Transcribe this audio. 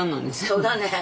そうだね。